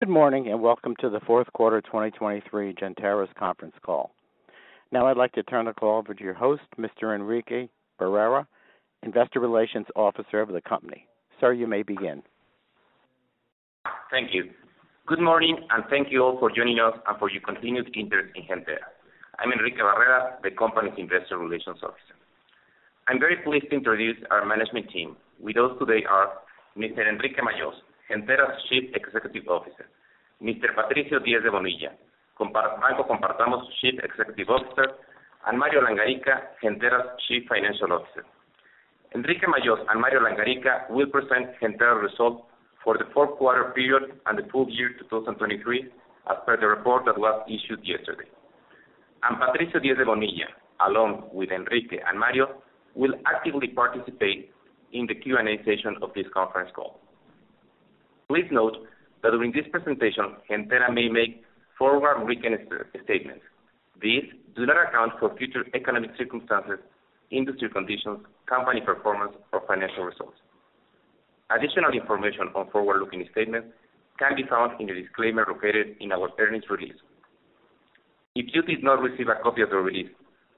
Good morning and welcome to the fourth quarter 2023 Gentera's conference call. Now I'd like to turn the call over to your host, Mr. Enrique Barrera, Investor Relations Officer of the company. Sir, you may begin. Thank you. Good morning and thank you all for joining us and for your continued interest in Gentera. I'm Enrique Barrera, the company's Investor Relations Officer. I'm very pleased to introduce our management team. With us today are Mr. Enrique Majós, Gentera's Chief Executive Officer, Mr. Patricio Diez de Bonilla, Banco Compartamos Chief Executive Officer, and Mario Langarica, Gentera's Chief Financial Officer. Enrique Majós and Mario Langarica will present Gentera's result for the fourth quarter period and the full year 2023 as per the report that was issued yesterday. Patricio Diez de Bonilla, along with Enrique and Mario, will actively participate in the Q&A session of this conference call. Please note that during this presentation, Gentera may make forward-looking statements. These do not account for future economic circumstances, industry conditions, company performance, or financial results. Additional information on forward-looking statements can be found in the disclaimer located in our earnings release. If you did not receive a copy of the release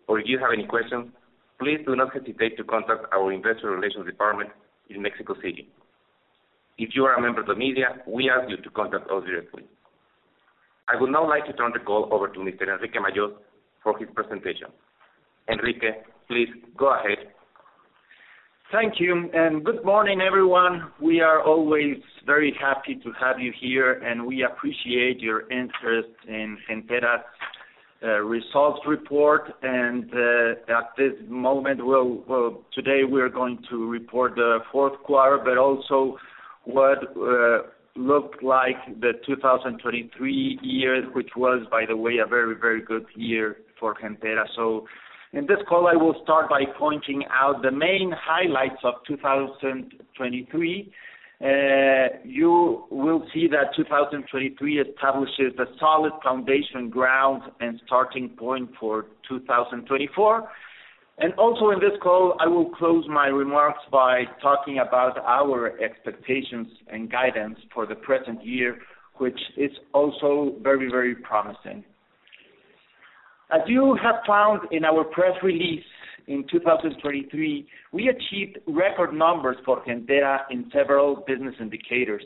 or you have any questions, please do not hesitate to contact our Investor Relations Department in Mexico City. If you are a member of the media, we ask you to contact us directly. I would now like to turn the call over to Mr. Enrique Majós for his presentation. Enrique, please go ahead. Thank you. Good morning, everyone. We are always very happy to have you here, and we appreciate your interest in Gentera's results report. At this moment, today we are going to report the fourth quarter, but also what looked like the 2023 year, which was, by the way, a very, very good year for Gentera. In this call, I will start by pointing out the main highlights of 2023. You will see that 2023 establishes the solid foundation, ground, and starting point for 2024. Also in this call, I will close my remarks by talking about our expectations and guidance for the present year, which is also very, very promising. As you have found in our press release in 2023, we achieved record numbers for Gentera in several business indicators.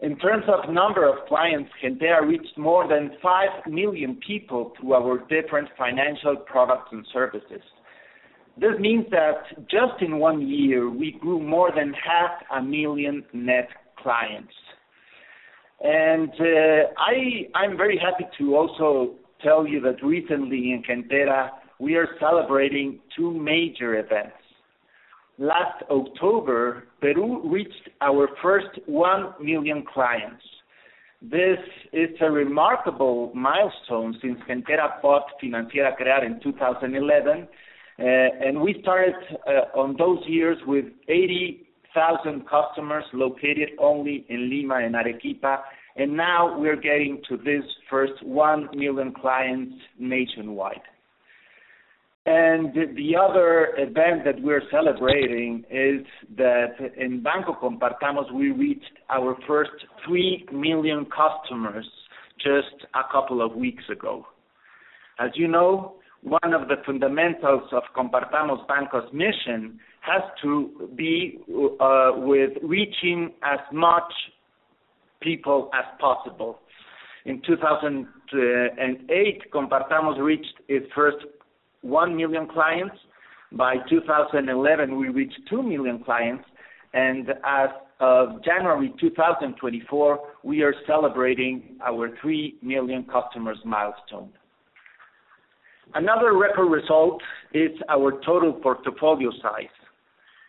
In terms of number of clients, Gentera reached more than 5 million people through our different financial products and services. This means that just in one year, we grew more than 500,000 net clients. I'm very happy to also tell you that recently in Gentera, we are celebrating two major events. Last October, Peru reached our first 1 million clients. This is a remarkable milestone since Gentera bought Financiera Crear in 2011. We started on those years with 80,000 customers located only in Lima and Arequipa, and now we're getting to this first 1 million clients nationwide. The other event that we're celebrating is that in Banco Compartamos, we reached our first 3 million customers just a couple of weeks ago. As you know, one of the fundamentals of Compartamos Banco's mission has to be with reaching as much people as possible. In 2008, Compartamos reached its first 1 million clients. By 2011, we reached 2 million clients. As of January 2024, we are celebrating our 3 million customers milestone. Another record result is our total portfolio size.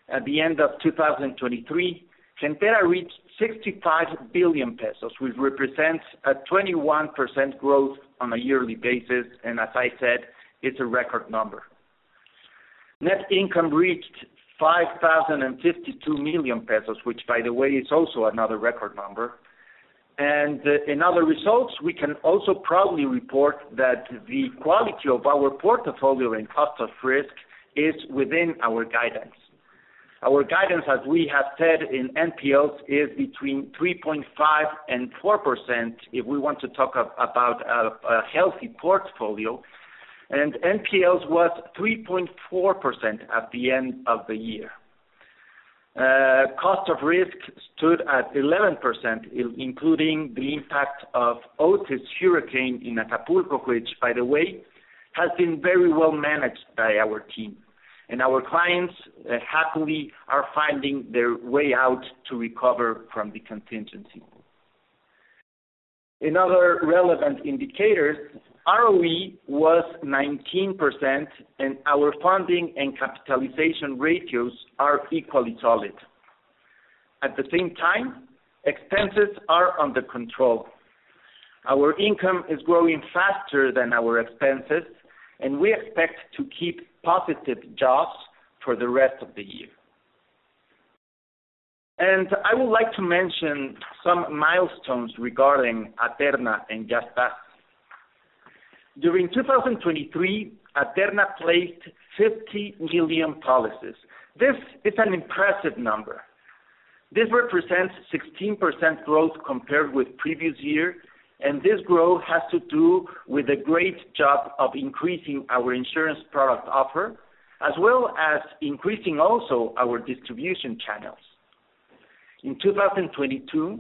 At the end of 2023, Gentera reached 65 billion pesos, which represents a 21% growth on a yearly basis. And as I said, it's a record number. Net income reached 5,052 million pesos, which, by the way, is also another record number. In other results, we can also proudly report that the quality of our portfolio and cost of risk is within our guidance. Our guidance, as we have said in NPLs, is between 3.5% and 4% if we want to talk about a healthy portfolio. And NPLs was 3.4% at the end of the year. Cost of risk stood at 11%, including the impact of Hurricane Otis in Acapulco, which, by the way, has been very well managed by our team. Our clients happily are finding their way out to recover from the contingency. In other relevant indicators, ROE was 19%, and our funding and capitalization ratios are equally solid. At the same time, expenses are under control. Our income is growing faster than our expenses, and we expect to keep positive jaws for the rest of the year. I would like to mention some milestones regarding Aterna and Yastás. During 2023, Aterna placed 50 million policies. This is an impressive number. This represents 16% growth compared with the previous year, and this growth has to do with a great job of increasing our insurance product offer, as well as increasing also our distribution channels. In 2022,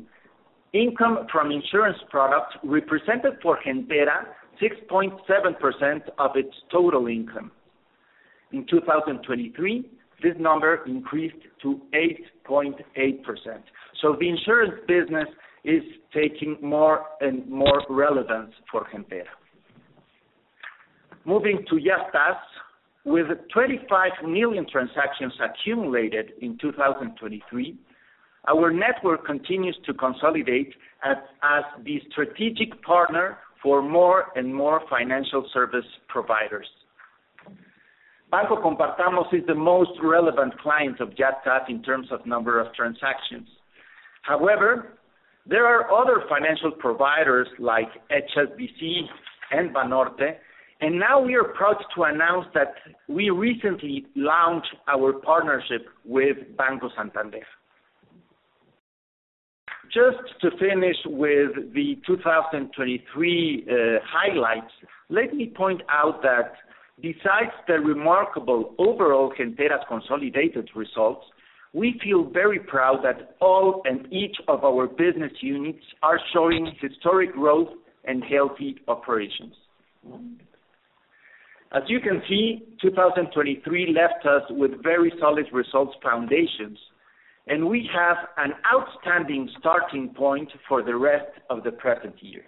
income from insurance products represented for Gentera 6.7% of its total income. In 2023, this number increased to 8.8%. The insurance business is taking more and more relevance for Gentera. Moving to Yastás, with 25 million transactions accumulated in 2023, our network continues to consolidate as the strategic partner for more and more financial service providers. Banco Compartamos is the most relevant client of Yastás in terms of number of transactions. However, there are other financial providers like HSBC and Banorte, and now we are proud to announce that we recently launched our partnership with Banco Santander. Just to finish with the 2023 highlights, let me point out that besides the remarkable overall Gentera's consolidated results, we feel very proud that all and each of our business units are showing historic growth and healthy operations. As you can see, 2023 left us with very solid results foundations, and we have an outstanding starting point for the rest of the present year.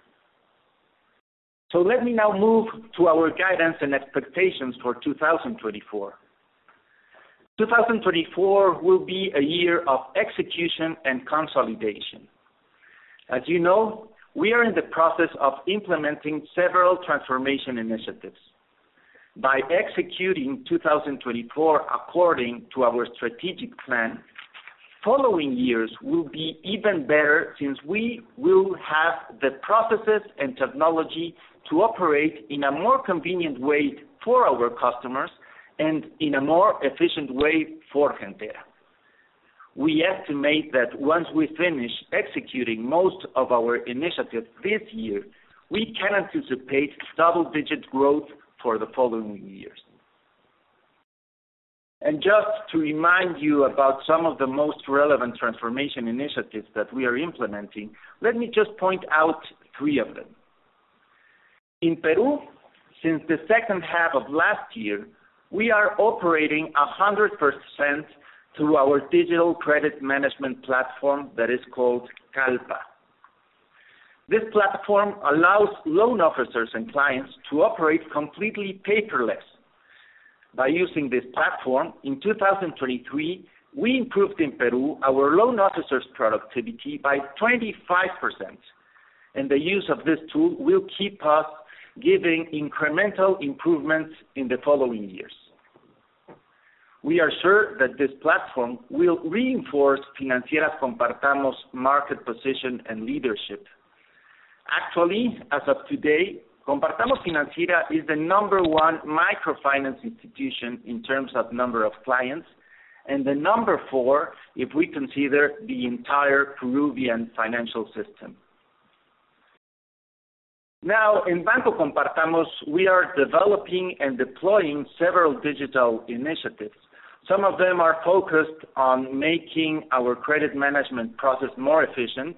So let me now move to our guidance and expectations for 2024. 2024 will be a year of execution and consolidation. As you know, we are in the process of implementing several transformation initiatives. By executing 2024 according to our strategic plan, following years will be even better since we will have the processes and technology to operate in a more convenient way for our customers and in a more efficient way for Gentera. We estimate that once we finish executing most of our initiatives this year, we can anticipate double-digit growth for the following years. And just to remind you about some of the most relevant transformation initiatives that we are implementing, let me just point out 3 of them. In Peru, since the second half of last year, we are operating 100% through our digital credit management platform that is called Kallpa. This platform allows loan officers and clients to operate completely paperless. By using this platform, in 2023, we improved in Peru our loan officers' productivity by 25%, and the use of this tool will keep us giving incremental improvements in the following years. We are sure that this platform will reinforce Compartamos Financiera's market position and leadership. Actually, as of today, Compartamos Financiera is the number one microfinance institution in terms of number of clients and the number four if we consider the entire Peruvian financial system. Now, in Banco Compartamos, we are developing and deploying several digital initiatives. Some of them are focused on making our credit management process more efficient,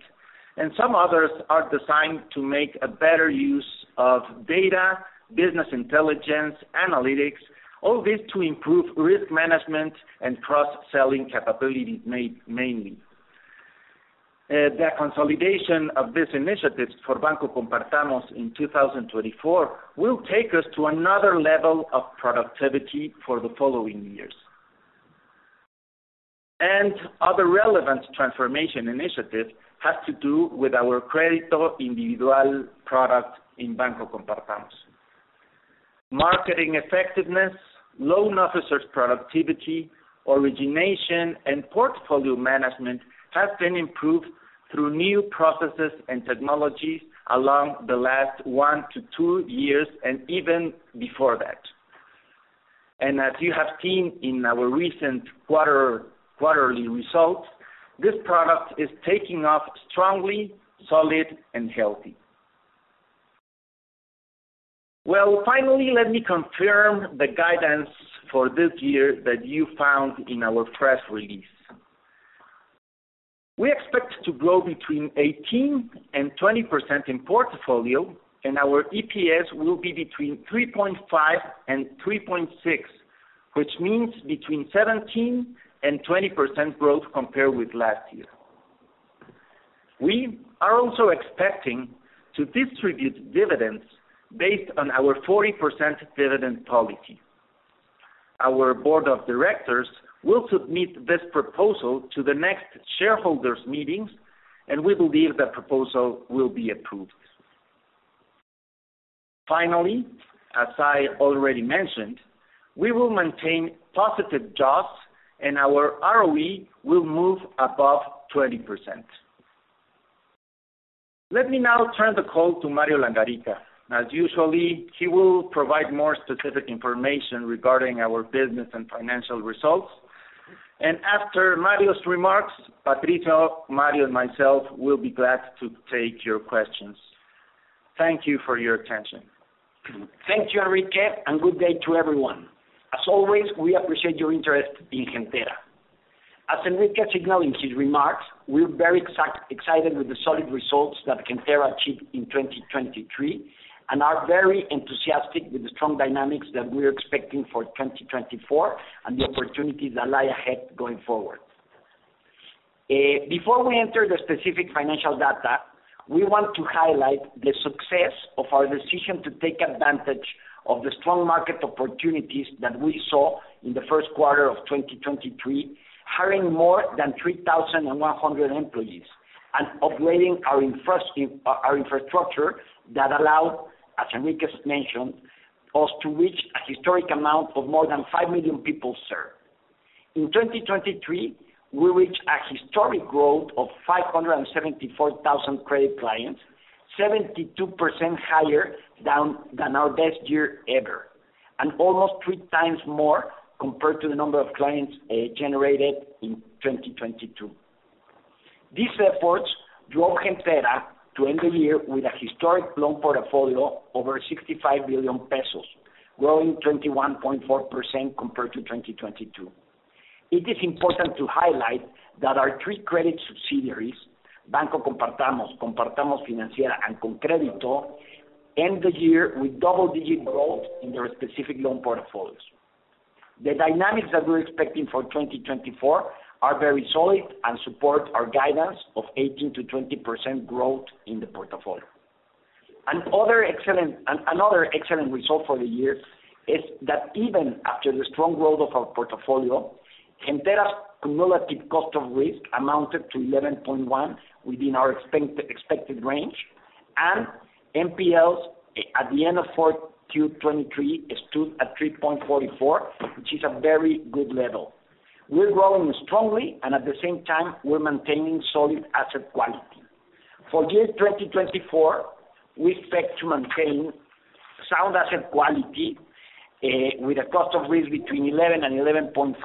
and some others are designed to make better use of data, business intelligence, analytics, all this to improve risk management and cross-selling capabilities mainly. The consolidation of these initiatives for Banco Compartamos in 2024 will take us to another level of productivity for the following years. Other relevant transformation initiatives have to do with our Crédito Individual product in Banco Compartamos. Marketing effectiveness, loan officers' productivity, origination, and portfolio management have been improved through new processes and technologies along the last 1-2 years and even before that. And as you have seen in our recent quarterly results, this product is taking off strongly, solid, and healthy. Well, finally, let me confirm the guidance for this year that you found in our press release. We expect to grow between 18%-20% in portfolio, and our EPS will be between 3.5 and 3.6, which means between 17%-20% growth compared with last year. We are also expecting to distribute dividends based on our 40% dividend policy. Our board of directors will submit this proposal to the next shareholders' meetings, and we believe the proposal will be approved. Finally, as I already mentioned, we will maintain positive jaws, and our ROE will move above 20%. Let me now turn the call to Mario Langarica. As usual, he will provide more specific information regarding our business and financial results. And after Mario's remarks, Patricio, Mario, and myself will be glad to take your questions. Thank you for your attention. Thank you, Enrique, and good day to everyone. As always, we appreciate your interest in Gentera. As Enrique signaled in his remarks, we're very excited with the solid results that Gentera achieved in 2023 and are very enthusiastic with the strong dynamics that we're expecting for 2024 and the opportunities that lie ahead going forward. Before we enter the specific financial data, we want to highlight the success of our decision to take advantage of the strong market opportunities that we saw in the first quarter of 2023, hiring more than 3,100 employees and upgrading our infrastructure that allowed, as Enrique mentioned, us to reach a historic amount of more than 5 million people served. In 2023, we reached a historic growth of 574,000 credit clients, 72% higher than our best year ever, and almost three times more compared to the number of clients generated in 2022. These efforts drove Gentera to end the year with a historic loan portfolio over 65 billion pesos, growing 21.4% compared to 2022. It is important to highlight that our three credit subsidiaries, Banco Compartamos, Compartamos Financiera, and ConCrédito, end the year with double-digit growth in their specific loan portfolios. The dynamics that we're expecting for 2024 are very solid and support our guidance of 18%-20% growth in the portfolio. Another excellent result for the year is that even after the strong growth of our portfolio, Gentera's cumulative cost of risk amounted to 11.1% within our expected range, and NPLs at the end of Q2 2023 stood at 3.44%, which is a very good level. We're growing strongly, and at the same time, we're maintaining solid asset quality. For year 2024, we expect to maintain sound asset quality with a cost of risk between 11%-11.5%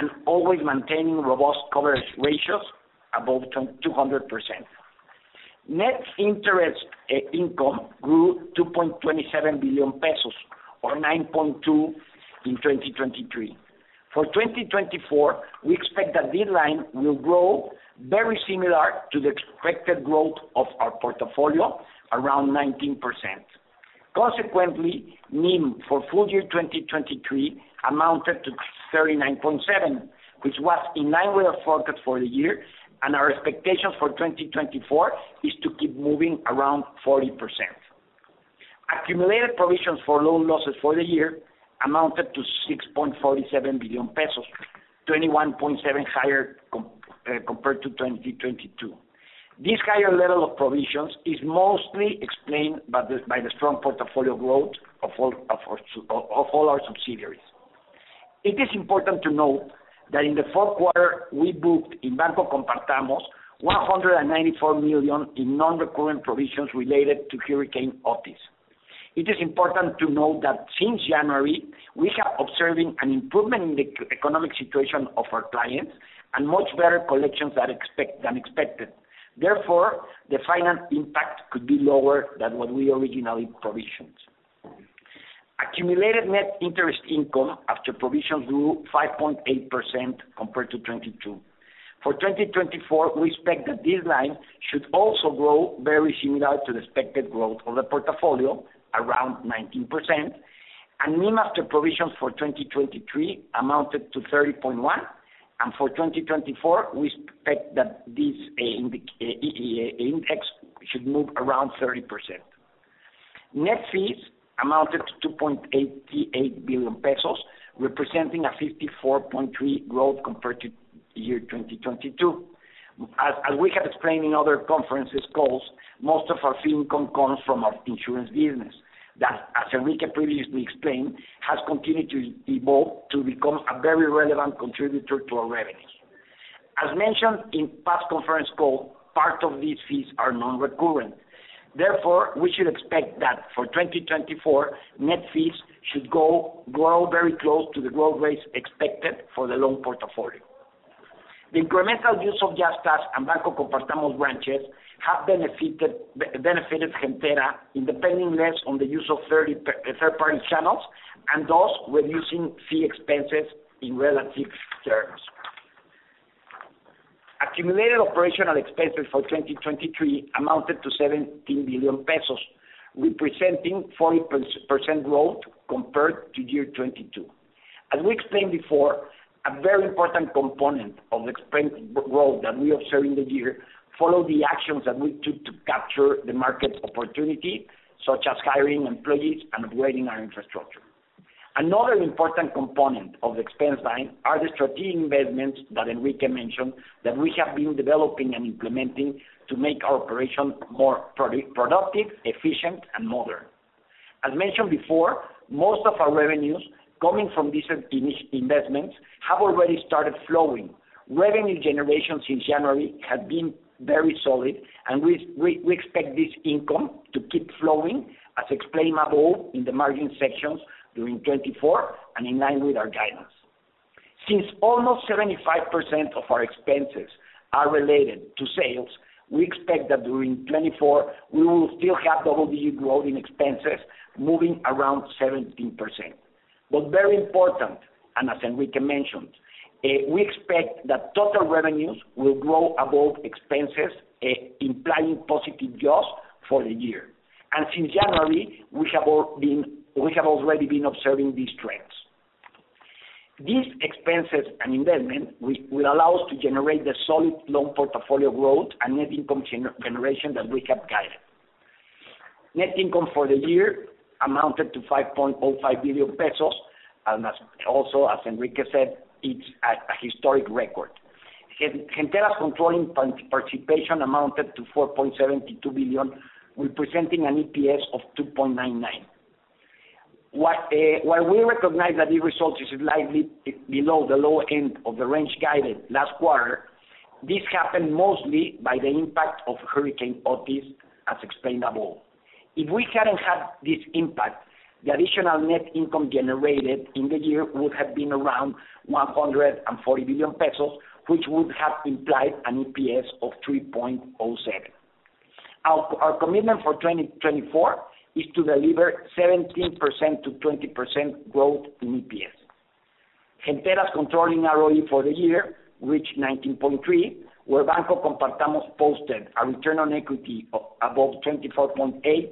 and always maintaining robust coverage ratios above 200%. Net interest income grew 2.27 billion pesos, or 9.2% in 2023. For 2024, we expect that NII will grow very similar to the expected growth of our portfolio, around 19%. Consequently, NIM for full year 2023 amounted to 39.7%, which was in line with our forecast for the year, and our expectations for 2024 is to keep moving around 40%. Accumulated provisions for loan losses for the year amounted to 6.47 billion pesos, 21.7% higher compared to 2022. This higher level of provisions is mostly explained by the strong portfolio growth of all our subsidiaries. It is important to note that in the fourth quarter, we booked in Banco Compartamos 194 million in non-recurring provisions related to Hurricane Otis. It is important to note that since January, we have been observing an improvement in the economic situation of our clients and much better collections than expected. Therefore, the financial impact could be lower than what we originally provisioned. Accumulated net interest income after provisions grew 5.8% compared to 2022. For 2024, we expect that delinquency should also grow very similar to the expected growth of the portfolio, around 19%, and NIM after provisions for 2023 amounted to 30.1%, and for 2024, we expect that this index should move around 30%. Net fees amounted to 2.88 billion pesos, representing a 54.3% growth compared to 2022. As we have explained in other conference calls, most of our fee income comes from our insurance business that, as Enrique previously explained, has continued to evolve to become a very relevant contributor to our revenues. As mentioned in past conference calls, part of these fees are non-recurrent. Therefore, we should expect that for 2024, net fees should grow very close to the growth rates expected for the loan portfolio. The incremental use of Yastás and Banco Compartamos branches has benefited Gentera in depending less on the use of third-party channels and thus reducing fee expenses in relative terms. Accumulated operational expenses for 2023 amounted to 17 billion pesos, representing 40% growth compared to year 2022. As we explained before, a very important component of the expense growth that we observed in the year followed the actions that we took to capture the market opportunity, such as hiring employees and upgrading our infrastructure. Another important component of the expense line are the strategic investments that Enrique mentioned that we have been developing and implementing to make our operation more productive, efficient, and modern. As mentioned before, most of our revenues coming from these investments have already started flowing. Revenue generation since January has been very solid, and we expect this income to keep flowing, as explained above in the margin sections during 2024 and in line with our guidance. Since almost 75% of our expenses are related to sales, we expect that during 2024, we will still have double-digit growth in expenses moving around 17%. But very important, and as Enrique mentioned, we expect that total revenues will grow above expenses, implying positive jaws for the year. And since January, we have already been observing these trends. These expenses and investments will allow us to generate the solid loan portfolio growth and net income generation that we have guided. Net income for the year amounted to 5.05 billion pesos, and also, as Enrique said, it's a historic record. Gentera's controlling participation amounted to 4.72 billion, representing an EPS of 2.99. While we recognize that these results are slightly below the low end of the range guided last quarter, this happened mostly by the impact of Hurricane Otis, as explained above. If we hadn't had this impact, the additional net income generated in the year would have been around 140 million pesos, which would have implied an EPS of 3.07. Our commitment for 2024 is to deliver 17%-20% growth in EPS. Gentera's controlling ROE for the year reached 19.3%, where Banco Compartamos posted a return on equity above 24.8%.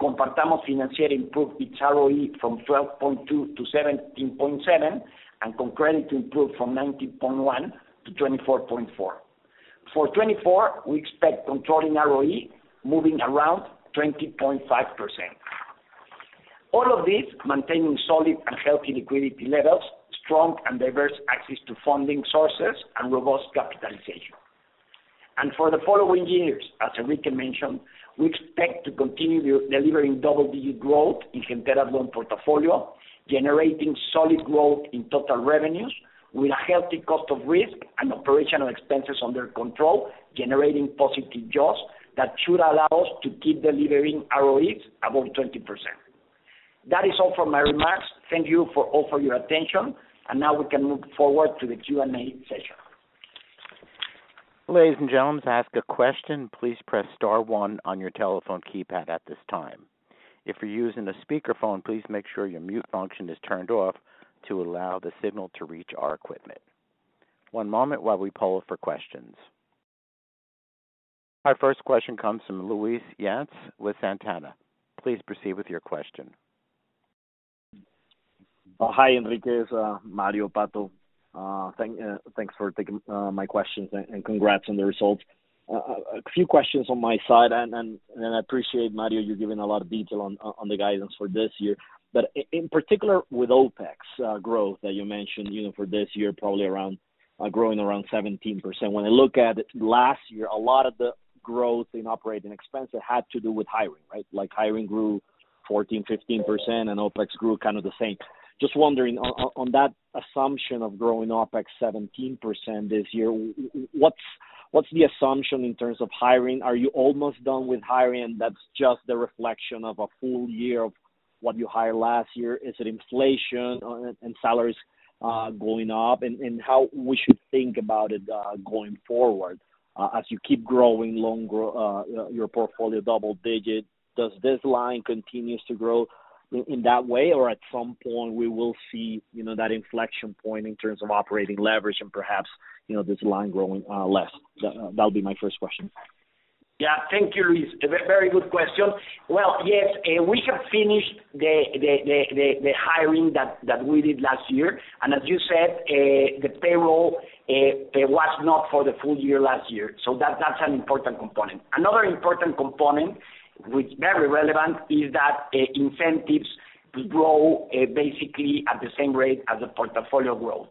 Compartamos Financiera improved its ROE from 12.2% to 17.7% and ConCrédito improved from 19.1% to 24.4%. For 2024, we expect controlling ROE moving around 20.5%, all of this maintaining solid and healthy liquidity levels, strong and diverse access to funding sources, and robust capitalization. For the following years, as Enrique mentioned, we expect to continue delivering double-digit growth in Gentera's loan portfolio, generating solid growth in total revenues with a healthy cost of risk and operational expenses under control, generating positive jaws that should allow us to keep delivering ROEs above 20%. That is all for my remarks. Thank you all for your attention, and now we can move forward to the Q&A session. Ladies and gentlemen, to ask a question, please press star one on your telephone keypad at this time. If you're using a speakerphone, please make sure your mute function is turned off to allow the signal to reach our equipment. One moment while we pull up for questions. Our first question comes from Luis Yance with Santander. Please proceed with your question. Hi, Enrique. It's Mario Pato. Thanks for taking my questions and congrats on the results. A few questions on my side, and I appreciate, Mario, you're giving a lot of detail on the guidance for this year. But in particular, with OpEx growth that you mentioned for this year, probably growing around 17%. When I look at last year, a lot of the growth in operating expenses had to do with hiring, right? Hiring grew 14%-15%, and OpEx grew kind of the same. Just wondering, on that assumption of growing OpEx 17% this year, what's the assumption in terms of hiring? Are you almost done with hiring, and that's just the reflection of a full year of what you hired last year? Is it inflation and salaries going up, and how we should think about it going forward? As you keep growing your portfolio double-digit, does this line continue to grow in that way, or at some point, we will see that inflection point in terms of operating leverage and perhaps this line growing less? That'll be my first question. Yeah. Thank you, Luis. Very good question. Well, yes, we have finished the hiring that we did last year, and as you said, the payroll was not for the full year last year. So that's an important component. Another important component, which is very relevant, is that incentives grow basically at the same rate as the portfolio growth.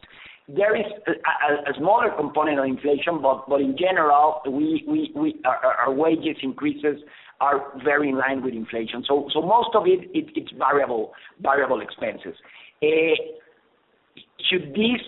There is a smaller component of inflation, but in general, our wages increases are very in line with inflation. So most of it, it's variable expenses. Should this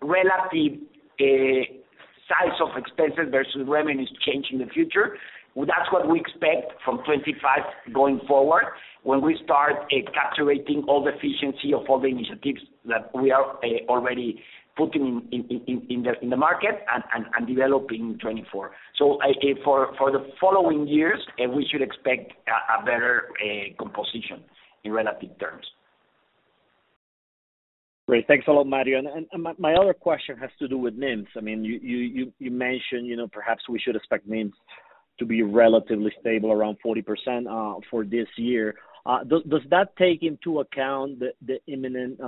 relative size of expenses versus revenues change in the future? That's what we expect from 2025 going forward when we start capturing all the efficiency of all the initiatives that we are already putting in the market and developing 2024. So for the following years, we should expect a better composition in relative terms. Great. Thanks a lot, Mario. And my other question has to do with NIMS. I mean, you mentioned perhaps we should expect NIMS to be relatively stable around 40% for this year. Does that take into account the imminent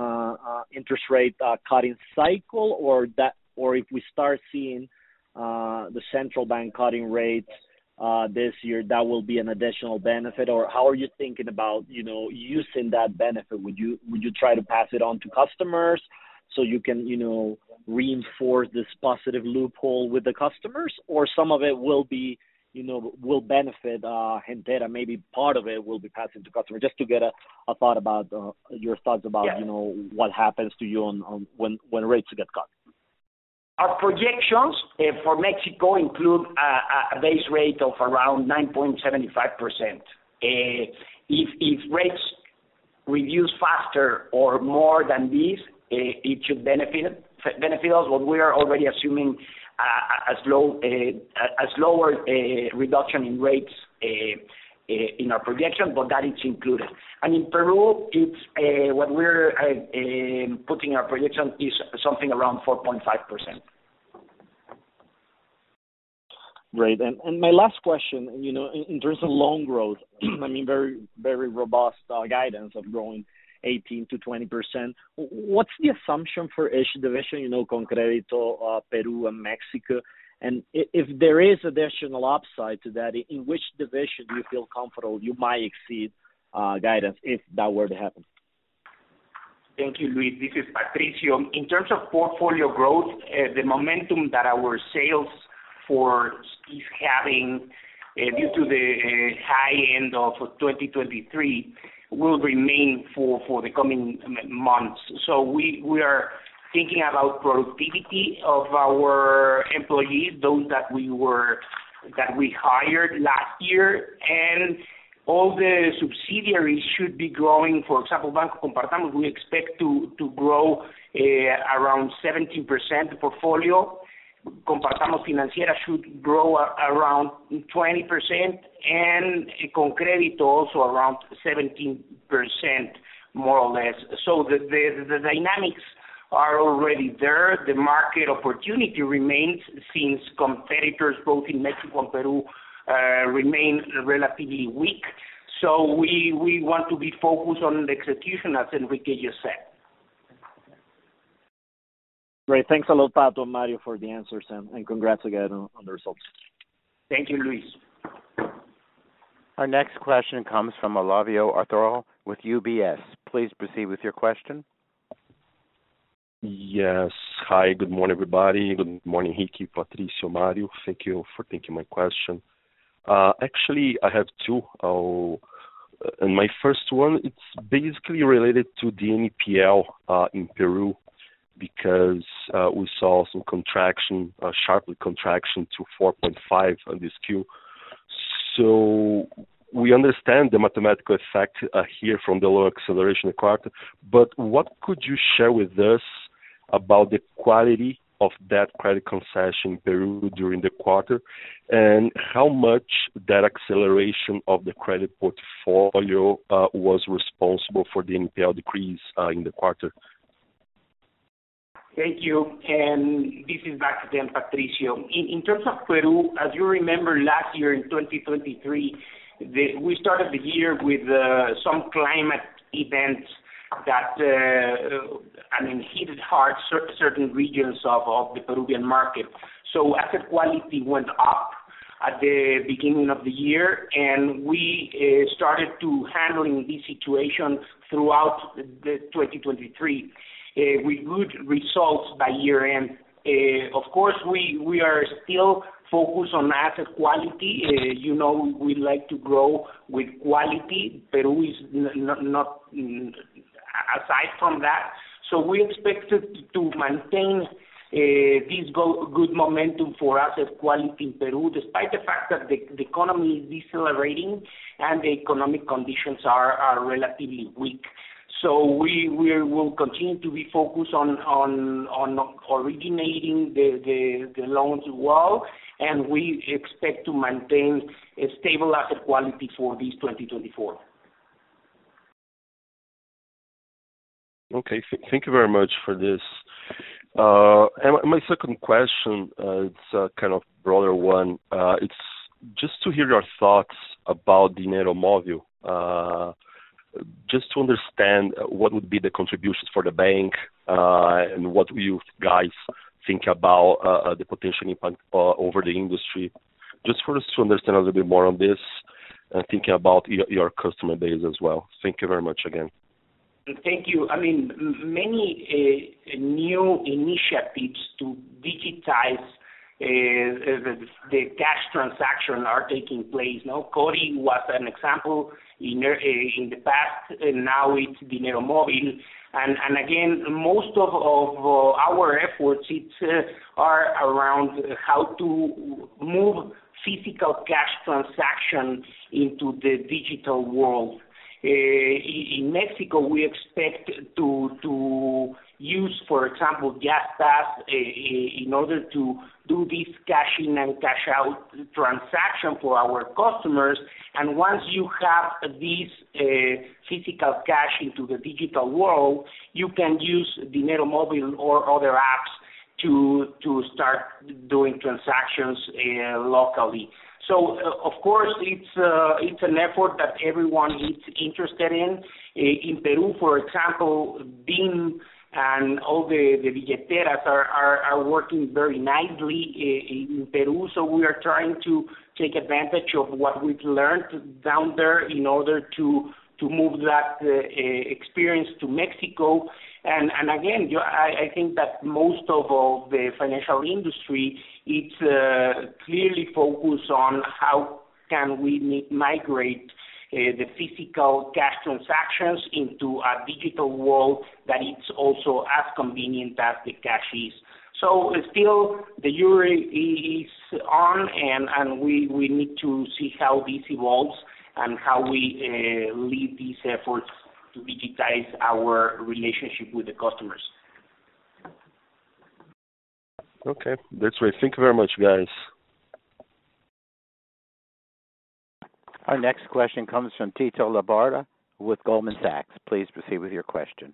interest rate cutting cycle, or if we start seeing the central bank cutting rates this year, that will be an additional benefit? Or how are you thinking about using that benefit? Would you try to pass it on to customers so you can reinforce this positive loophole with the customers, or some of it will benefit Gentera? Maybe part of it will be passed into customers. Just to get a thought about your thoughts about what happens to you when rates get cut. Our projections for Mexico include a base rate of around 9.75%. If rates reduce faster or more than this, it should benefit us, but we are already assuming a slower reduction in rates in our projection, but that is included. And in Peru, what we're putting in our projection is something around 4.5%. Great. And my last question, in terms of loan growth, I mean, very robust guidance of growing 18%-20%, what's the assumption for each division, ConCrédito, Peru, and Mexico? And if there is additional upside to that, in which division do you feel comfortable you might exceed guidance if that were to happen? Thank you, Luis. This is Patricio. In terms of portfolio growth, the momentum that our sales are having due to the high end of 2023 will remain for the coming months. So we are thinking about productivity of our employees, those that we hired last year, and all the subsidiaries should be growing. For example, Banco Compartamos, we expect to grow around 17% portfolio. Compartamos Financiera should grow around 20%, and ConCrédito also around 17%, more or less. So the dynamics are already there. The market opportunity remains since competitors, both in Mexico and Peru, remain relatively weak. So we want to be focused on the execution, as Enrique just said. Great. Thanks a lot, Pato and Mario, for the answers, and congrats again on the results. Thank you, Luis. Our next question comes from Olavio Arthuzo with UBS. Please proceed with your question. Yes. Hi. Good morning, everybody. Good morning, Enrique, Patricio, Mario. Thank you for taking my question. Actually, I have two. And my first one, it's basically related to NPL in Peru because we saw some sharp contraction to 4.5% on this Q. So we understand the mathematical effect here from the low acceleration quarter, but what could you share with us about the quality of new credit concessions in Peru during the quarter, and how much that acceleration of the credit portfolio was responsible for NPL decrease in the quarter? Thank you. And this is back to them, Patricio. In terms of Peru, as you remember, last year, in 2023, we started the year with some climate events that, I mean, hit hard certain regions of the Peruvian market. So asset quality went up at the beginning of the year, and we started to handle this situation throughout 2023 with good results by year-end. Of course, we are still focused on asset quality. We like to grow with quality. Peru is not aside from that. So we expected to maintain this good momentum for asset quality in Peru, despite the fact that the economy is decelerating and the economic conditions are relatively weak. So we will continue to be focused on originating the loans as well, and we expect to maintain stable asset quality for this 2024. Okay. Thank you very much for this. And my second question, it's a kind of broader one. It's just to hear your thoughts about Dinero Móvil, just to understand what would be the contributions for the bank and what you guys think about the potential impact over the industry, just for us to understand a little bit more on this and thinking about your customer base as well. Thank you very much again. Thank you. I mean, many new initiatives to digitize the cash transaction are taking place. Codi was an example in the past, and now it's Dinero Móvil. And again, most of our efforts, it's around how to move physical cash transaction into the digital world. In Mexico, we expect to use, for example, Yastás in order to do this cash-in and cash-out transaction for our customers. And once you have this physical cash into the digital world, you can use Dinero Móvil or other apps to start doing transactions locally. So, of course, it's an effort that everyone is interested in. In Peru, for example, BIM and all the billeteras are working very nicely in Peru, so we are trying to take advantage of what we've learned down there in order to move that experience to Mexico. Again, I think that most of the financial industry, it's clearly focused on how can we migrate the physical cash transactions into a digital world that is also as convenient as the cash is. So still, the euro is on, and we need to see how this evolves and how we lead these efforts to digitize our relationship with the customers. Okay. That's great. Thank you very much, guys. Our next question comes from Tito Labarta with Goldman Sachs. Please proceed with your question.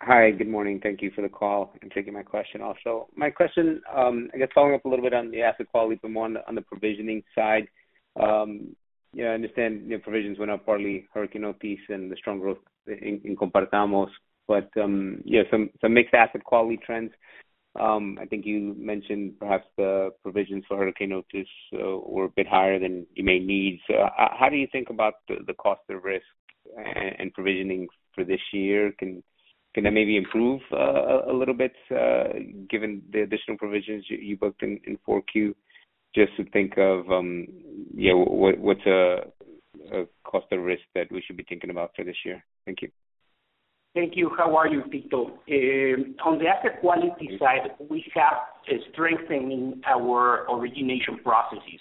Hi. Good morning. Thank you for the call and taking my question also. My question, I guess, following up a little bit on the asset quality but more on the provisioning side. I understand provisions went up partly Hurricane Otis and the strong growth in Compartamos, but yeah, some mixed asset quality trends. I think you mentioned perhaps the provisions for Hurricane Otis were a bit higher than you may need. So how do you think about the cost of risk and provisioning for this year? Can that maybe improve a little bit given the additional provisions you booked in 4Q? Just to think of what's a cost of risk that we should be thinking about for this year. Thank you. Thank you. How are you, Tito? On the asset quality side, we have strengthened our origination processes.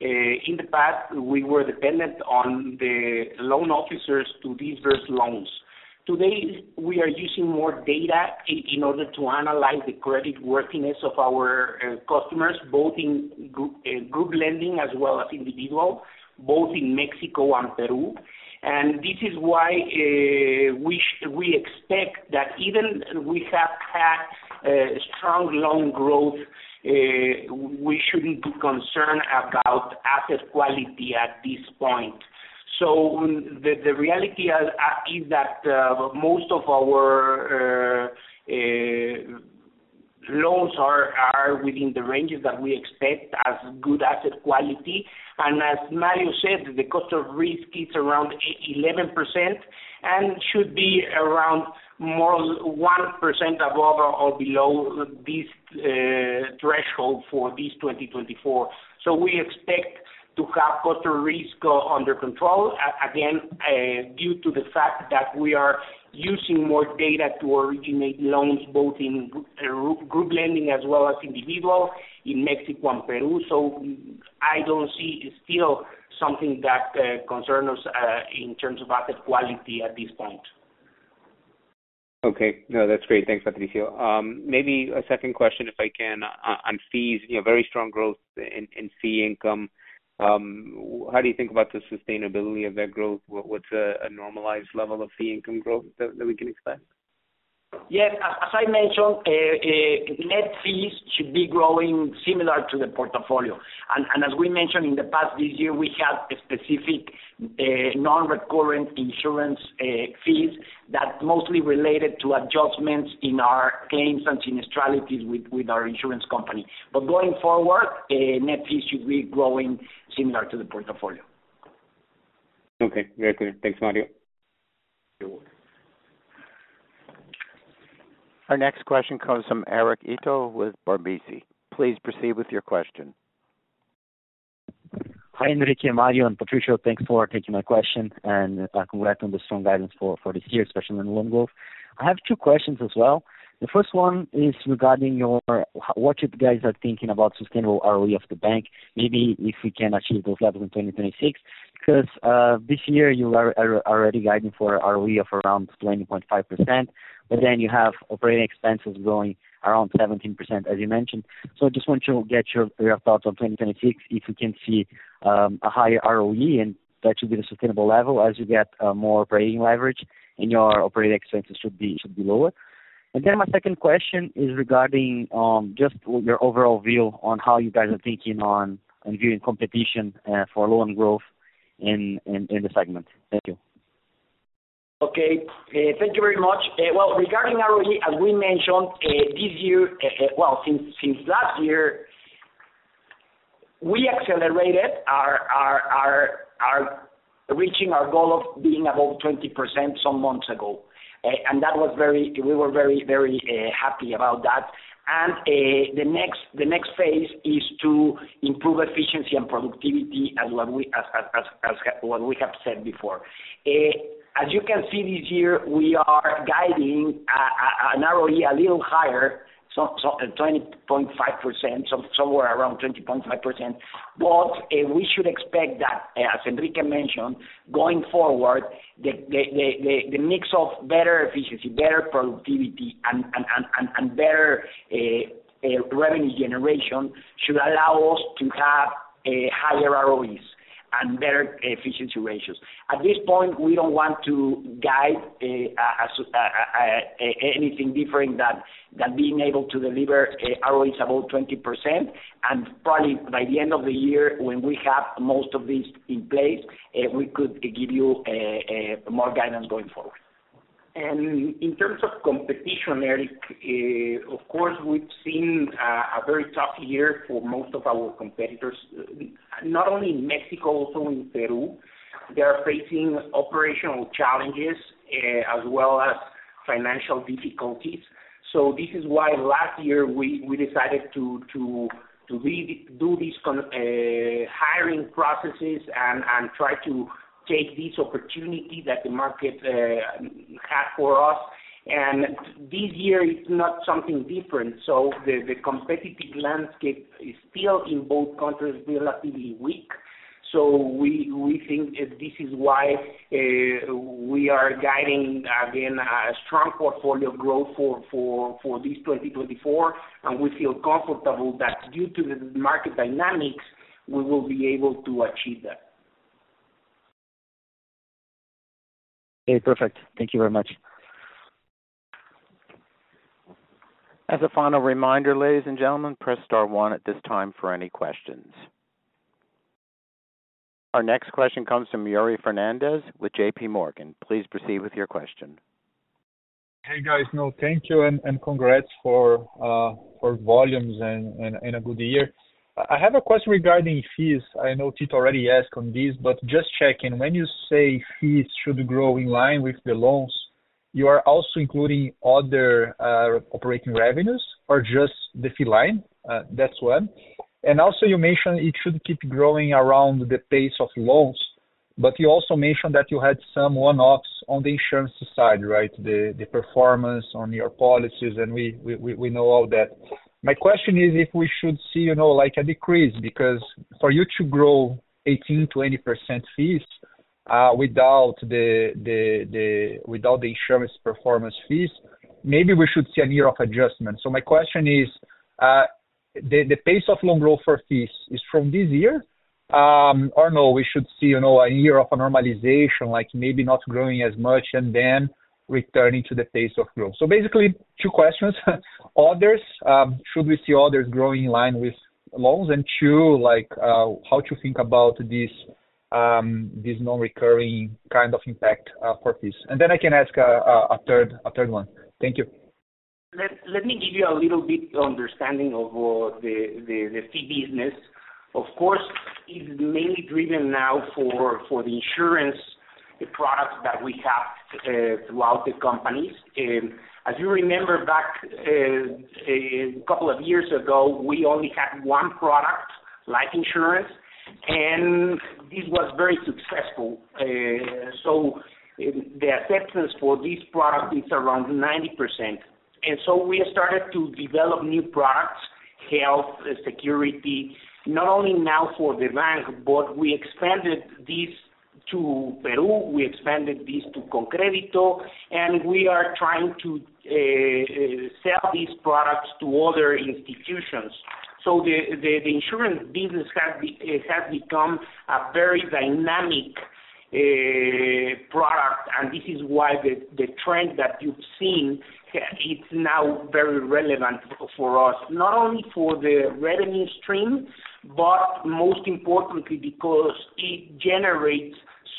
In the past, we were dependent on the loan officers to disburse loans. Today, we are using more data in order to analyze the creditworthiness of our customers, both in group lending as well as individual, both in Mexico and Peru. And this is why we expect that even if we have had strong loan growth, we shouldn't be concerned about asset quality at this point. So the reality is that most of our loans are within the ranges that we expect as good asset quality. And as Mario said, the cost of risk is around 11% and should be around more than 1% above or below this threshold for this 2024. So we expect to have Cost of Risk under control, again, due to the fact that we are using more data to originate loans, both in group lending as well as individual in Mexico and Peru. So I don't see still something that concerns us in terms of asset quality at this point. Okay. No, that's great. Thanks, Patricio. Maybe a second question, if I can, on fees. Very strong growth in fee income. How do you think about the sustainability of that growth? What's a normalized level of fee income growth that we can expect? Yes. As I mentioned, net fees should be growing similar to the portfolio. As we mentioned in the past, this year, we had specific non-recurring insurance fees that mostly related to adjustments in our claims and sinistrality with our insurance company. Going forward, net fees should be growing similar to the portfolio. Okay. Very clear. Thanks, Mario. Our next question comes from Eric Ito with Bradesco. Please proceed with your question. Hi, Enrique, Mario, and Patricio. Thanks for taking my question, and congrats on the strong guidance for this year, especially on loan growth. I have 2 questions as well. The first one is regarding what you guys are thinking about sustainable ROE of the bank, maybe if we can achieve those levels in 2026, because this year, you are already guiding for ROE of around 20.5%, but then you have operating expenses growing around 17%, as you mentioned. So I just want to get your thoughts on 2026, if we can see a higher ROE, and that should be the sustainable level as you get more operating leverage and your operating expenses should be lower. And then my second question is regarding just your overall view on how you guys are thinking on viewing competition for loan growth in the segment. Thank you. Okay. Thank you very much. Well, regarding ROE, as we mentioned, this year well, since last year, we accelerated reaching our goal of being above 20% some months ago, and we were very, very happy about that. The next phase is to improve efficiency and productivity as what we have said before. As you can see, this year, we are guiding an ROE a little higher, 20.5%, somewhere around 20.5%. But we should expect that, as Enrique mentioned, going forward, the mix of better efficiency, better productivity, and better revenue generation should allow us to have higher ROEs and better efficiency ratios. At this point, we don't want to guide anything different than being able to deliver ROEs above 20%. Probably by the end of the year, when we have most of this in place, we could give you more guidance going forward. In terms of competition, Eric, of course, we've seen a very tough year for most of our competitors, not only in Mexico, also in Peru. They are facing operational challenges as well as financial difficulties. So this is why last year, we decided to do these hiring processes and try to take this opportunity that the market had for us. This year, it's not something different. So the competitive landscape is still in both countries relatively weak. So we think this is why we are guiding, again, a strong portfolio growth for this 2024, and we feel comfortable that due to the market dynamics, we will be able to achieve that. Okay. Perfect. Thank you very much. As a final reminder, ladies and gentlemen, press star one at this time for any questions. Our next question comes from Yuri Fernandes with JP Morgan. Please proceed with your question. Hey, guys. No, thank you and congrats for volumes and a good year. I have a question regarding fees. I know Tito already asked on this, but just checking. When you say fees should grow in line with the loans, you are also including other operating revenues or just the fee line? That's one. And also, you mentioned it should keep growing around the pace of loans, but you also mentioned that you had some one-offs on the insurance side, right, the performance on your policies, and we know all that. My question is if we should see a decrease because for you to grow 18%-20% fees without the insurance performance fees, maybe we should see a year of adjustment. My question is, the pace of loan growth for fees, is from this year or no, we should see a year of a normalization, maybe not growing as much and then returning to the pace of growth? Basically, two questions. Others, should we see others grow in line with loans? And two, how to think about this non-recurring kind of impact for fees? And then I can ask a third one. Thank you. Let me give you a little bit of understanding of the fee business. Of course, it's mainly driven now for the insurance, the products that we have throughout the companies. As you remember, back a couple of years ago, we only had one product life insurance, and this was very successful. So the acceptance for this product is around 90%. And so we started to develop new products, health, security, not only now for the bank, but we expanded this to Peru. We expanded this to ConCrédito, and we are trying to sell these products to other institutions. So the insurance business has become a very dynamic product, and this is why the trend that you've seen, it's now very relevant for us, not only for the revenue stream, but most importantly, because it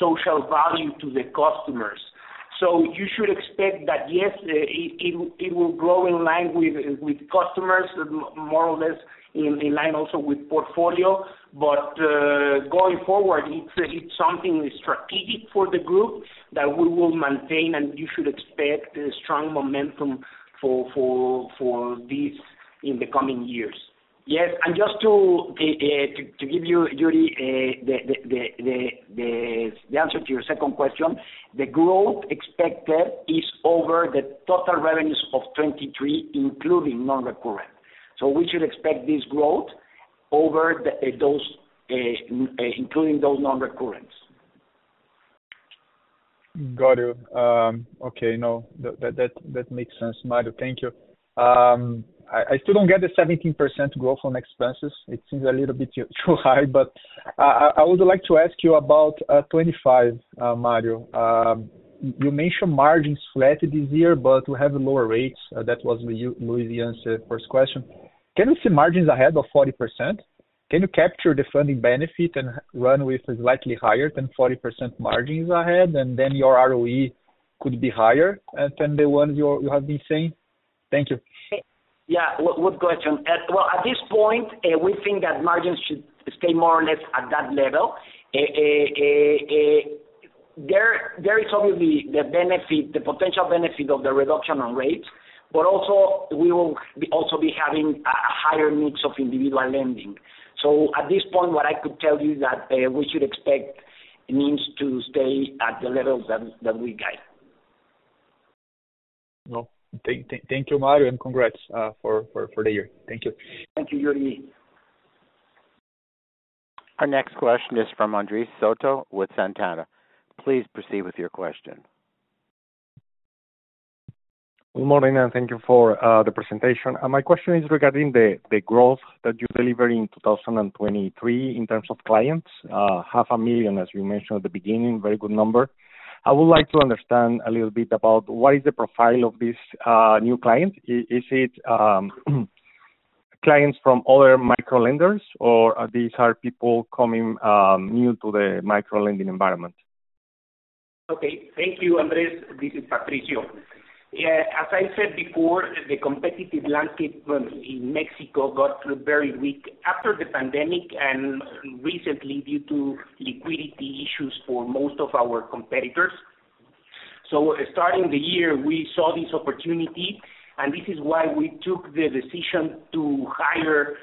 generates social value to the customers. So you should expect that, yes, it will grow in line with customers, more or less in line also with portfolio. But going forward, it's something strategic for the group that we will maintain, and you should expect strong momentum for this in the coming years. Yes. And just to give you, Yuri, the answer to your second question, the growth expected is over the total revenues of 2023, including non-recurring. So we should expect this growth including those non-recurring. Got it. Okay. No, that makes sense, Mario. Thank you. I still don't get the 17% growth on expenses. It seems a little bit too high, but I would like to ask you about 2025, Mario. You mentioned margins flat this year, but we have lower rates. That was Luis's first question. Can we see margins ahead of 40%? Can you capture the funding benefit and run with slightly higher than 40% margins ahead, and then your ROE could be higher than the ones you have been saying? Thank you. Yeah. Good question. Well, at this point, we think that margins should stay more or less at that level. There is obviously the potential benefit of the reduction on rates, but also we will also be having a higher mix of individual lending. So at this point, what I could tell you is that we should expect NIMs to stay at the levels that we guide. Well, thank you, Mario, and congrats for the year. Thank you. Thank you, Yuri. Our next question is from Andres Soto with Santander. Please proceed with your question. Good morning, and thank you for the presentation. My question is regarding the growth that you deliver in 2023 in terms of clients, 500,000, as you mentioned at the beginning, very good number. I would like to understand a little bit about what is the profile of these new clients? Is it clients from other microlenders, or these are people coming new to the microlending environment? Okay. Thank you, Andres. This is Patricio. As I said before, the competitive landscape in Mexico got very weak after the pandemic and recently due to liquidity issues for most of our competitors. So starting the year, we saw this opportunity, and this is why we took the decision to hire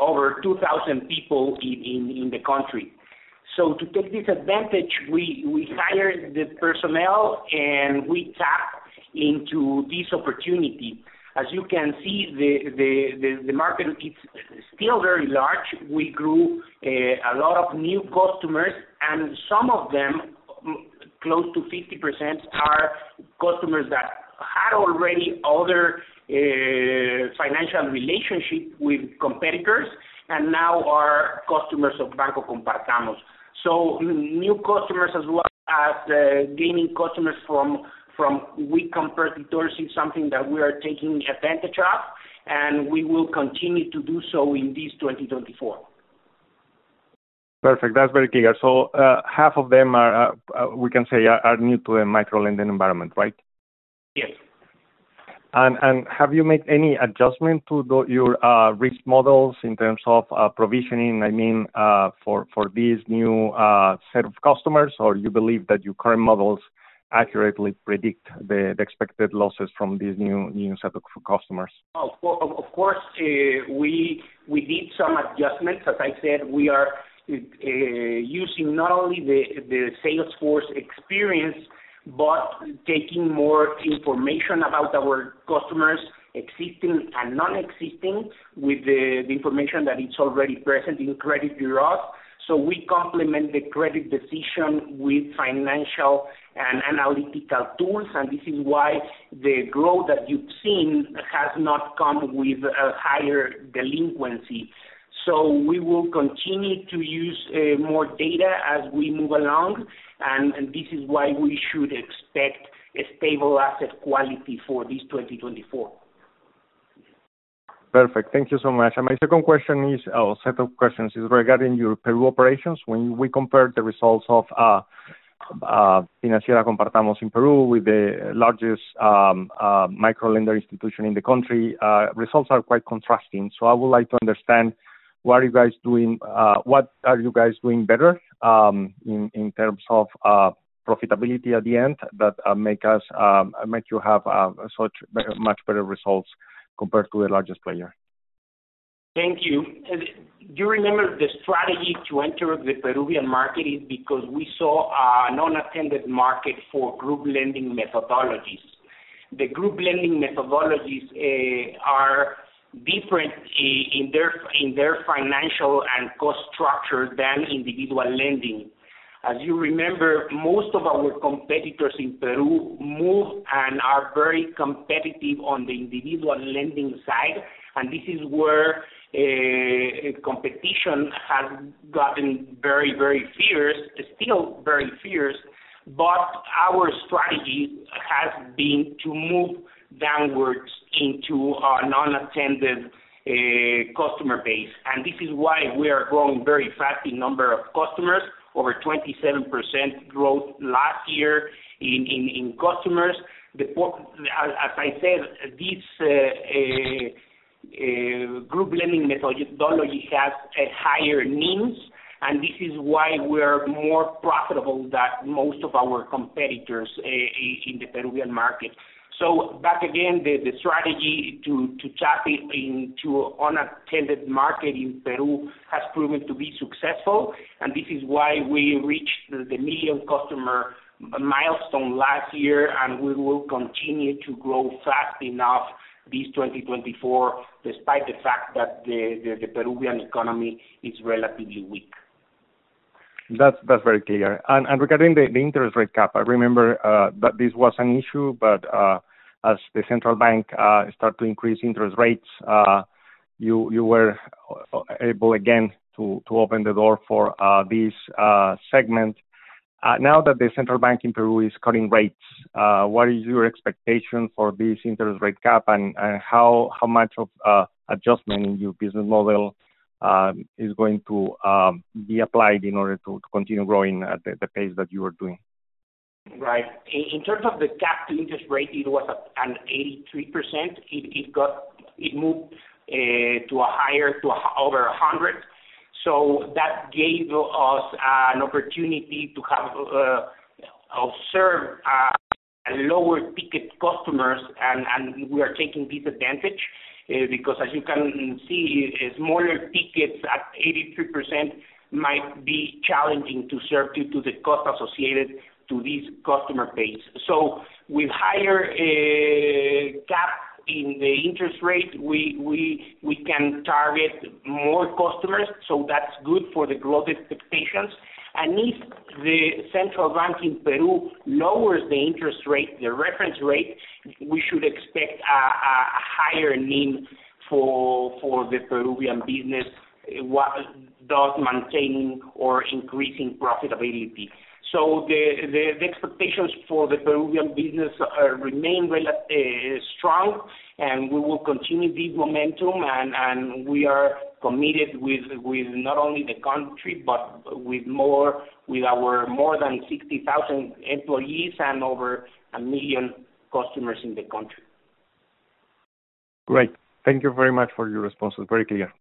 over 2,000 people in the country. So to take this advantage, we hired the personnel, and we tapped into this opportunity. As you can see, the market, it's still very large. We grew a lot of new customers, and some of them, close to 50%, are customers that had already other financial relationships with competitors and now are customers of Banco Compartamos. So new customers as well as gaining customers from weak competitors is something that we are taking advantage of, and we will continue to do so in this 2024. Perfect. That's very clear. So half of them are, we can say, are new to the microlending environment, right? Yes. Have you made any adjustment to your risk models in terms of provisioning, I mean, for this new set of customers, or you believe that your current models accurately predict the expected losses from this new set of customers? Of course, we did some adjustments. As I said, we are using not only the Salesforce experience but taking more information about our customers, existing and nonexisting, with the information that is already present in credit bureaus. So we complement the credit decision with financial and analytical tools, and this is why the growth that you've seen has not come with higher delinquency. So we will continue to use more data as we move along, and this is why we should expect stable asset quality for this 2024. Perfect. Thank you so much. My second question is or set of questions is regarding your Peru operations. When we compare the results of Compartamos Financiera in Peru with the largest microlender institution in the country, results are quite contrasting. So I would like to understand what are you guys doing what are you guys doing better in terms of profitability at the end that make you have such much better results compared to the largest player? Thank you. Do you remember the strategy to enter the Peruvian market is because we saw a non-attended market for group lending methodologies. The group lending methodologies are different in their financial and cost structure than individual lending. As you remember, most of our competitors in Peru move and are very competitive on the individual lending side, and this is where competition has gotten very, very fierce, still very fierce. But our strategy has been to move downwards into a non-attended customer base, and this is why we are growing very fast in number of customers, over 27% growth last year in customers. As I said, this group lending methodology has higher needs, and this is why we are more profitable than most of our competitors in the Peruvian market. So back again, the strategy to tap into unattended market in Peru has proven to be successful, and this is why we reached the million-customer milestone last year, and we will continue to grow fast enough this 2024 despite the fact that the Peruvian economy is relatively weak. That's very clear. And regarding the interest rate cap, I remember that this was an issue, but as the central bank started to increase interest rates, you were able again to open the door for this segment. Now that the central bank in Peru is cutting rates, what is your expectation for this interest rate cap, and how much of adjustment in your business model is going to be applied in order to continue growing at the pace that you are doing? Right. In terms of the cap to interest rate, it was at 83%. It moved to over 100. So that gave us an opportunity to observe lower-ticket customers, and we are taking this advantage because, as you can see, smaller tickets at 83% might be challenging to serve due to the cost associated to this customer base. So with higher caps in the interest rate, we can target more customers, so that's good for the growth expectations. And if the central bank in Peru lowers the interest rate, the reference rate, we should expect a higher need for the Peruvian business, thus maintaining or increasing profitability. So the expectations for the Peruvian business remain strong, and we will continue this momentum, and we are committed with not only the country but with our more than 60,000 employees and over 1 million customers in the country. Great. Thank you very much for your responses. Very clear.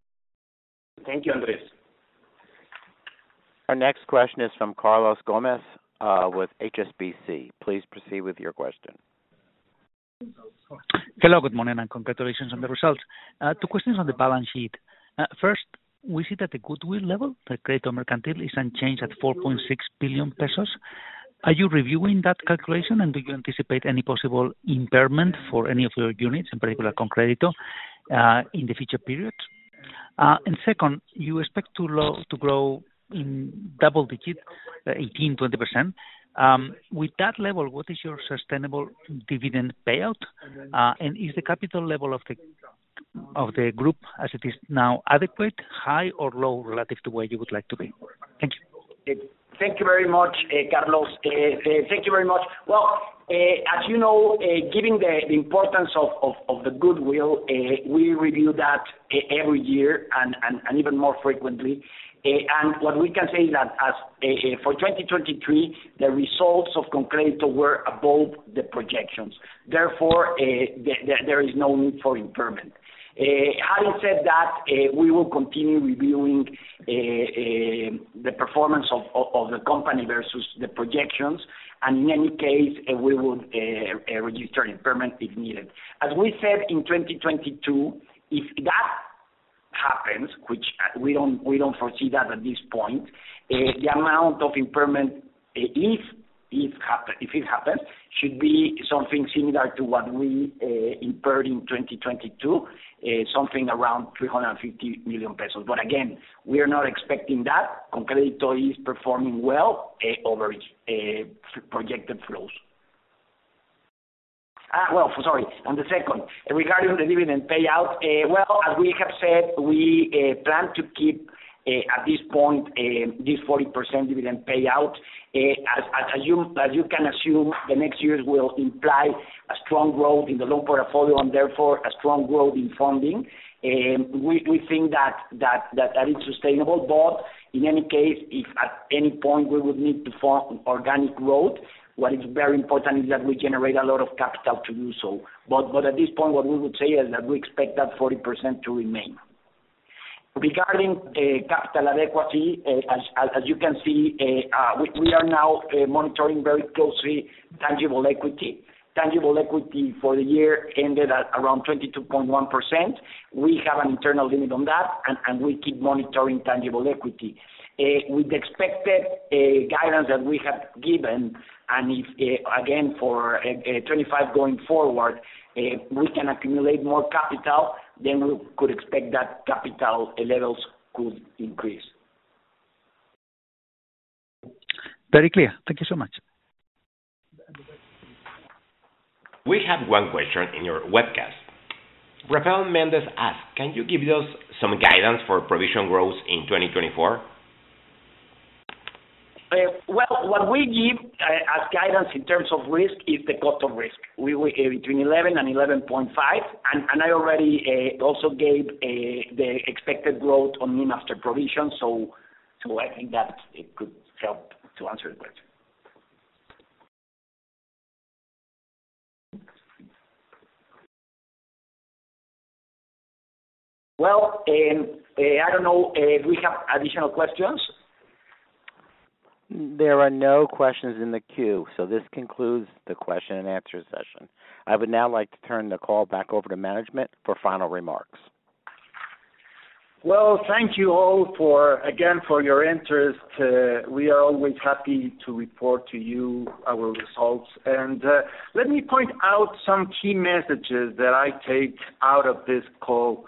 Thank you, Andres. Our next question is from Carlos Gómez with HSBC. Please proceed with your question. Hello. Good morning, and congratulations on the results. Two questions on the balance sheet. First, we see that the goodwill level, the Crédito Mercantil, is unchanged at 4.6 billion pesos. Are you reviewing that calculation, and do you anticipate any possible impairment for any of your units, in particular ConCrédito, in the future period? And second, you expect to grow in double-digit, 18%-20%. With that level, what is your sustainable dividend payout, and is the capital level of the group as it is now adequate, high, or low relative to where you would like to be? Thank you. Thank you very much, Carlos. Thank you very much. Well, as you know, given the importance of the goodwill, we review that every year and even more frequently. And what we can say is that for 2023, the results of ConCrédito were above the projections. Therefore, there is no need for impairment. Having said that, we will continue reviewing the performance of the company versus the projections, and in any case, we would register an impairment if needed. As we said in 2022, if that happens, which we don't foresee that at this point, the amount of impairment, if it happens, should be something similar to what we impaired in 2022, something around 350 million pesos. But again, we are not expecting that. ConCrédito is performing well over its projected flows. Well, sorry. The second, regarding the dividend payout, well, as we have said, we plan to keep at this point this 40% dividend payout. As you can assume, the next years will imply a strong growth in the loan portfolio and therefore a strong growth in funding. We think that it's sustainable, but in any case, if at any point we would need to fund organic growth, what is very important is that we generate a lot of capital to do so. But at this point, what we would say is that we expect that 40% to remain. Regarding the capital adequacy, as you can see, we are now monitoring very closely tangible equity. Tangible equity for the year ended at around 22.1%. We have an internal limit on that, and we keep monitoring tangible equity. With the expected guidance that we have given and again, for 2025 going forward, we can accumulate more capital than we could expect that capital levels could increase. Very clear. Thank you so much. We have one question in your webcast. Rafael Méndez asks, "Can you give us some guidance for provision growth in 2024? Well, what we give as guidance in terms of risk is the cost of risk, between 11% and 11.5%, and I already also gave the expected growth on net after provision, so I think that it could help to answer the question. Well, I don't know if we have additional questions. There are no questions in the queue, so this concludes the question-and-answer session. I would now like to turn the call back over to management for final remarks. Well, thank you all, again, for your interest. We are always happy to report to you our results. Let me point out some key messages that I take out of this call.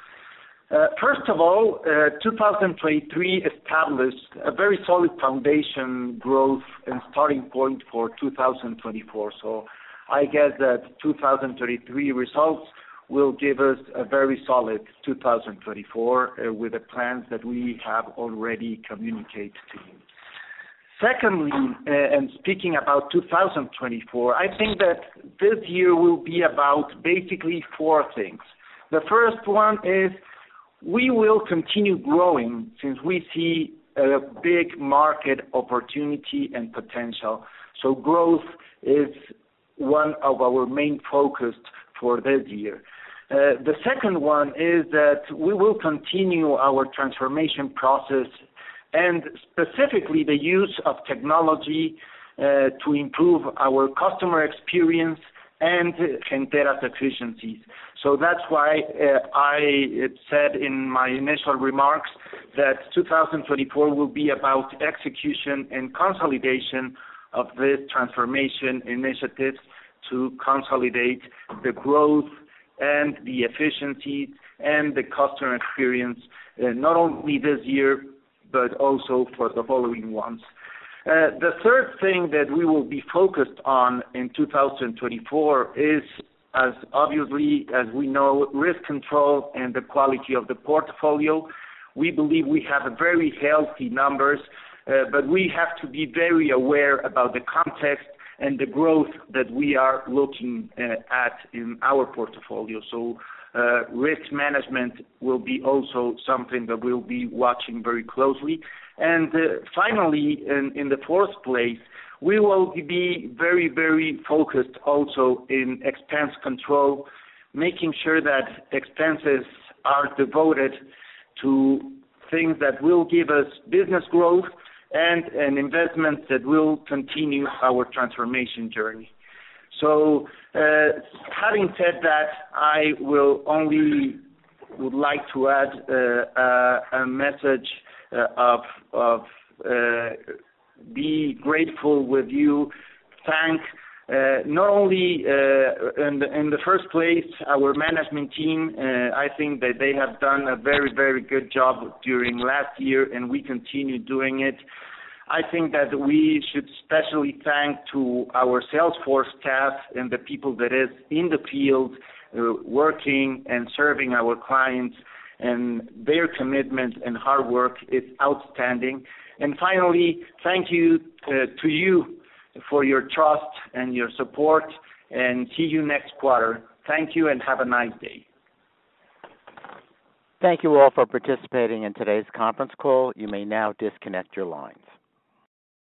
First of all, 2023 established a very solid foundation growth and starting point for 2024. So I guess that 2023 results will give us a very solid 2024 with the plans that we have already communicated to you. Secondly, and speaking about 2024, I think that this year will be about basically four things. The first one is we will continue growing since we see a big market opportunity and potential, so growth is one of our main focuses for this year. The second one is that we will continue our transformation process and specifically the use of technology to improve our customer experience and Gentera's efficiencies. So that's why I said in my initial remarks that 2024 will be about execution and consolidation of this transformation initiatives to consolidate the growth and the efficiencies and the customer experience not only this year but also for the following ones. The third thing that we will be focused on in 2024 is, obviously, as we know, risk control and the quality of the portfolio. We believe we have very healthy numbers, but we have to be very aware about the context and the growth that we are looking at in our portfolio. So risk management will be also something that we'll be watching very closely. And finally, in the fourth place, we will be very, very focused also in expense control, making sure that expenses are devoted to things that will give us business growth and investments that will continue our transformation journey. So having said that, I would only like to add a message of being grateful to you, thanking not only, in the first place, our management team. I think that they have done a very, very good job during last year, and we continue doing it. I think that we should especially thank our sales force staff and the people that are in the field working and serving our clients, and their commitment and hard work is outstanding. And finally, thank you to you for your trust and your support, and see you next quarter. Thank you and have a nice day. Thank you all for participating in today's conference call. You may now disconnect your lines.